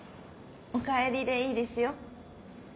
おかえりでいいですよ。